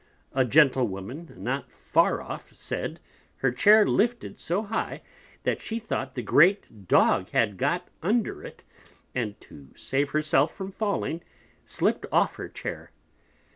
A Gentlewoman not far off said, her Chair lifted so high, that she thought the great Dog had got under it, and to save her self from falling, slipt off her Chair.